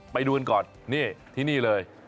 ไปดูกันก่อนนี่ที่นี่เลย